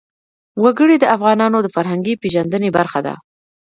وګړي د افغانانو د فرهنګي پیژندنې برخه ده.